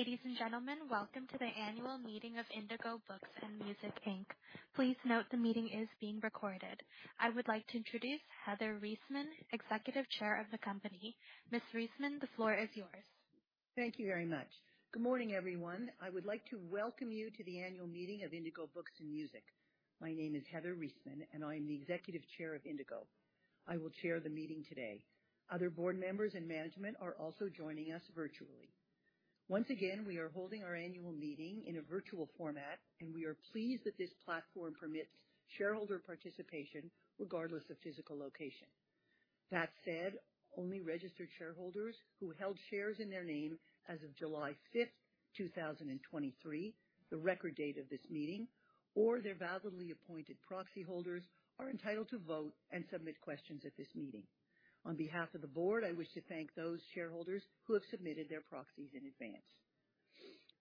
Ladies and gentlemen, welcome to the annual meeting of Indigo Books & Music Inc. Please note the meeting is being recorded. I would like to introduce Heather Reisman, Executive Chair of the company. Ms. Reisman, the floor is yours. Thank you very much. Good morning, everyone. I would like to welcome you to the annual meeting of Indigo Books & Music. My name is Heather Reisman, and I'm the Executive Chair of Indigo. I will chair the meeting today. Other board members and management are also joining us virtually. Once again, we are holding our annual meeting in a virtual format, and we are pleased that this platform permits shareholder participation regardless of physical location. That said, only registered shareholders who held shares in their name as of July 5th, 2023, the record date of this meeting, or their validly appointed proxy holders are entitled to vote and submit questions at this meeting. On behalf of the board, I wish to thank those shareholders who have submitted their proxies in advance.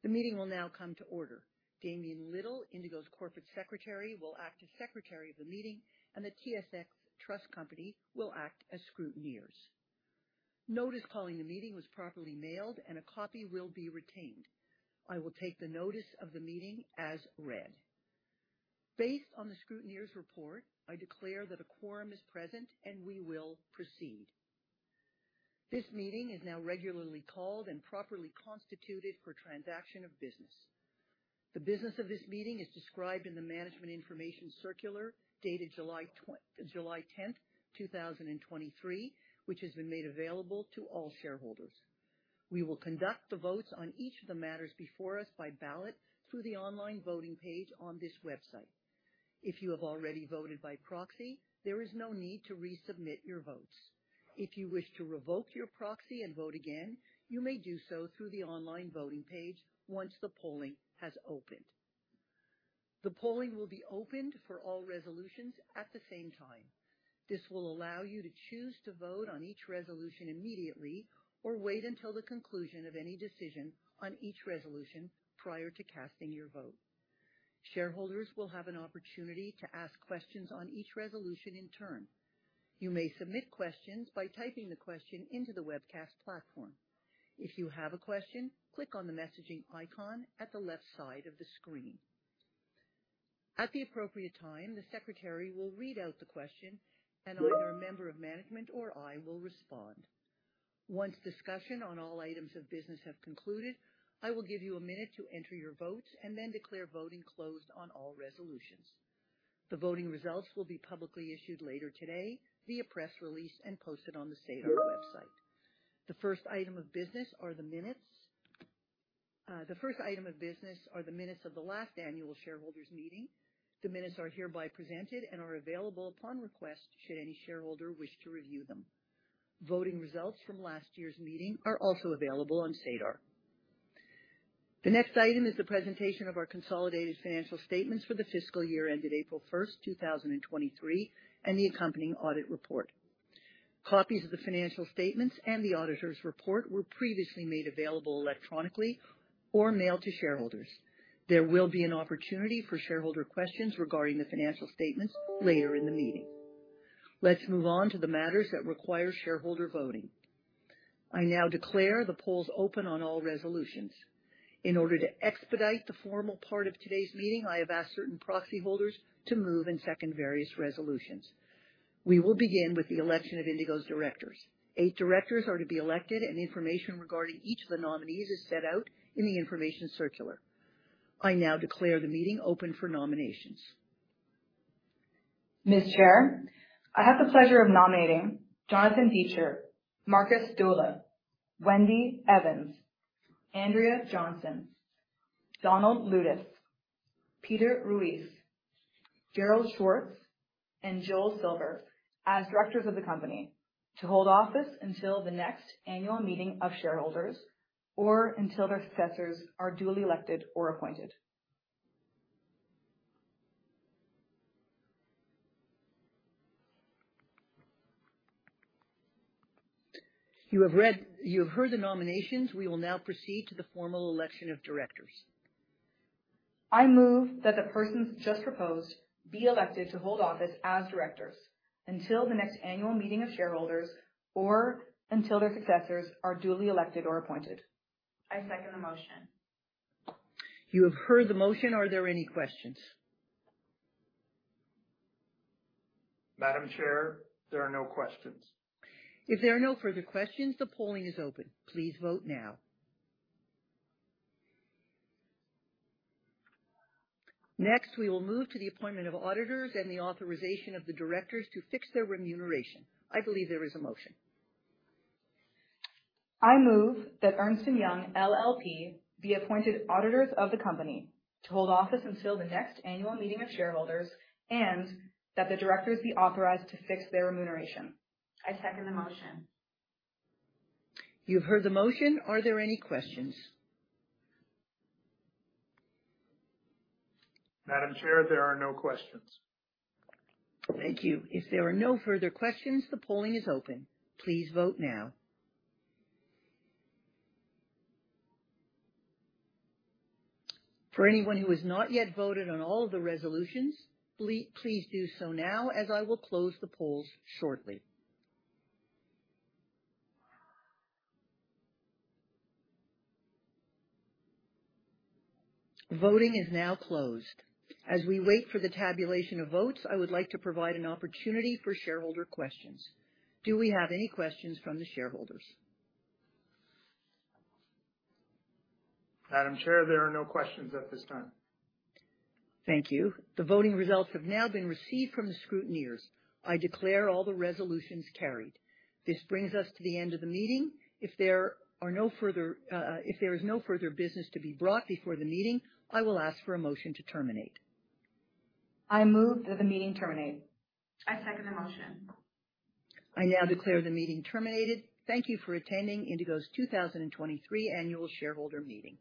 The meeting will now come to order. Damien Liddle, Indigo's corporate secretary, will act as secretary of the meeting, and the TSX Trust Company will act as scrutineers. Notice calling the meeting was properly mailed, and a copy will be retained. I will take the notice of the meeting as read. Based on the scrutineer's report, I declare that a quorum is present, and we will proceed. This meeting is now regularly called and properly constituted for transaction of business. The business of this meeting is described in the management information circular dated July 10th, 2023, which has been made available to all shareholders. We will conduct the votes on each of the matters before us by ballot through the online voting page on this website. If you have already voted by proxy, there is no need to resubmit your votes. If you wish to revoke your proxy and vote again, you may do so through the online voting page once the polling has opened. The polling will be opened for all resolutions at the same time. This will allow you to choose to vote on each resolution immediately or wait until the conclusion of any decision on each resolution prior to casting your vote. Shareholders will have an opportunity to ask questions on each resolution in turn. You may submit questions by typing the question into the webcast platform. If you have a question, click on the messaging icon at the left side of the screen. At the appropriate time, the secretary will read out the question, and either a member of management or I will respond. Once discussion on all items of business have concluded, I will give you a minute to enter your votes and then declare voting closed on all resolutions. The voting results will be publicly issued later today via press release and posted on the SEDAR website. The first item of business are the minutes of the last annual shareholders' meeting. The minutes are hereby presented and are available upon request should any shareholder wish to review them. Voting results from last year's meeting are also available on SEDAR. The next item is the presentation of our consolidated financial statements for the fiscal year ended April 1st, 2023, and the accompanying audit report. Copies of the financial statements and the auditor's report were previously made available electronically or mailed to shareholders. There will be an opportunity for shareholder questions regarding the financial statements later in the meeting. Let's move on to the matters that require shareholder voting. I now declare the polls open on all resolutions. In order to expedite the formal part of today's meeting, I have asked certain proxy holders to move and second various resolutions. We will begin with the election of Indigo's directors. Eight directors are to be elected and information regarding each of the nominees is set out in the information circular. I now declare the meeting open for nominations. Ms. Chair, I have the pleasure of nominating Jonathan Deitcher, Markus Dohle, Wendy Evans, Andrea Johnson, Donald Lewtas, Peter Ruis, Gerald Schwartz, and Joel Silver as directors of the company to hold office until the next annual meeting of shareholders, or until their successors are duly elected or appointed. You have heard the nominations. We will now proceed to the formal election of directors. I move that the persons just proposed be elected to hold office as directors until the next annual meeting of shareholders or until their successors are duly elected or appointed. I second the motion. You have heard the motion. Are there any questions? Madam Chair, there are no questions. If there are no further questions, the polling is open. Please vote now. Next, we will move to the appointment of auditors and the authorization of the directors to fix their remuneration. I believe there is a motion. I move that Ernst & Young LLP be appointed auditors of the company to hold office until the next annual meeting of shareholders, and that the directors be authorized to fix their remuneration. I second the motion. You've heard the motion. Are there any questions? Madam Chair, there are no questions. Thank you. If there are no further questions, the polling is open. Please vote now. For anyone who has not yet voted on all of the resolutions, please do so now as I will close the polls shortly. Voting is now closed. As we wait for the tabulation of votes, I would like to provide an opportunity for shareholder questions. Do we have any questions from the shareholders? Madam Chair, there are no questions at this time. Thank you. The voting results have now been received from the scrutineers. I declare all the resolutions carried. This brings us to the end of the meeting. If there is no further business to be brought before the meeting, I will ask for a motion to terminate. I move that the meeting terminate. I second the motion. I now declare the meeting terminated. Thank you for attending Indigo's 2023 annual shareholder meeting.